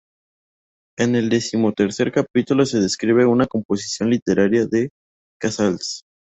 En el decimotercer capítulo se describe una composición literaria de Casals.